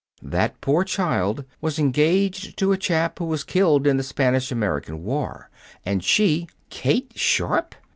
That poor child was engaged to a chap who was killed in the Spanish American war, and she " "Kate Sharp!"